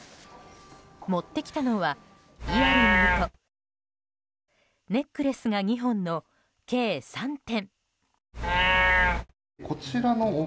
持ってきたのはイヤリングとネックレスが２本の計３点。